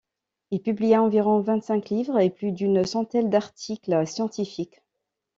Il publia environ vingt-cinq livres et plus d'une centaine d'articles scientifiques.